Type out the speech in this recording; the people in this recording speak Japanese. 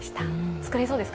作れそうですか？